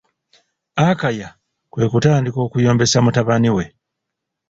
Akaya kwe kutandika okuyombesa mutabani.